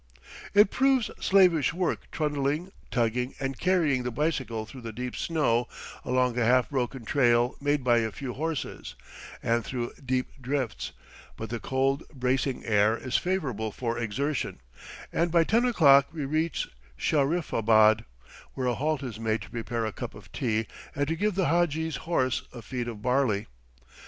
It proves slavish work trundling, tugging, and carrying the bicycle through the deep snow along a half broken trail made by a few horses, and through deep drifts; but the cold, bracing air is favorable for exertion, and by ten o'clock we reach Shahriffabad, where a halt is made to prepare a cup of tea and to give the hadji's horse a feed of barley.